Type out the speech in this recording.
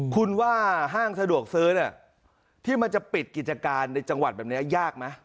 คุณว่าห้างสะดวกซื้อเนี่ยที่มันจะปิดกิจการในจังหวัดแบบนี้ยากไหม